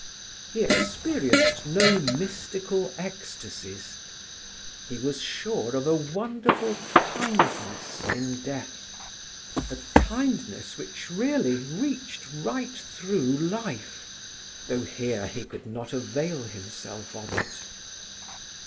He experienced no mystical ecstasies. He was sure of a wonderful kindness in death, a kindness which really reached right through life, though here he could not avail himself of it.